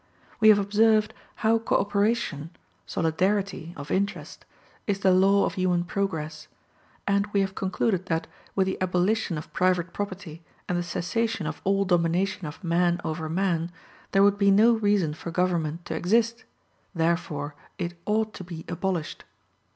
We have observed how co operation, solidarity (of interest) is the law of human progress, and we have concluded that, with the abolition of private property and the cessation of all domination of man over man, there, would be no reason for government to exist therefore it ought to be abolished.